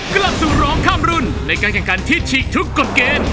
กลับสู่ร้องข้ามรุ่นในการแข่งขันที่ฉีกทุกกฎเกณฑ์